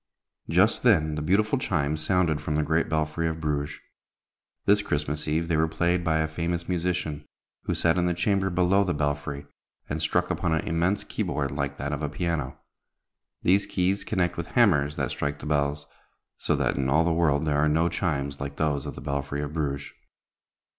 Just then the beautiful chimes sounded from the great belfry of Bruges. This Christmas Eve they were played by a famous musician, who sat in the chamber below the belfry, and struck upon an immense key board like that of a piano. These keys connect with hammers that strike the bells, so that in all the world there are no chimes like those of the belfry of Bruges.